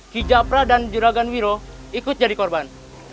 ki japra dan juragan wiro ikut jadi korban